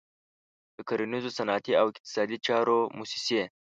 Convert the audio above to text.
د کرنیزو، صنعتي او اقتصادي چارو موسسې.